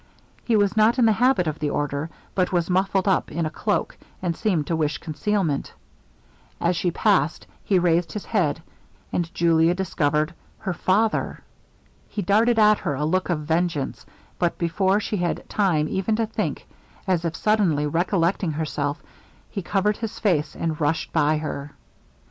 He was not in the habit of the order, but was muffled up in a cloak, and seemed to wish concealment. As she passed he raised his head, and Julia discovered her father! He darted at her a look of vengeance; but before she had time even to think, as if suddenly recollecting himself, he covered his face, and rushed by her.